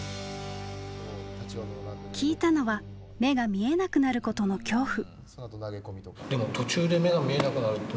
聞いたのは目が見えなくなることの恐怖。